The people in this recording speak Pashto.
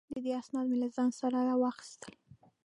د ده اسناد مې له ځان سره را واخیستل.